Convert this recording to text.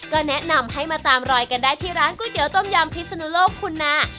ก็แนะนำให้มาตามรอยกันได้ที่ร้านก๋วยเตี๋ต้มยำพิศนุโลกคุณนา